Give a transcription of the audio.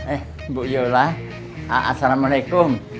eh bu jola assalamualaikum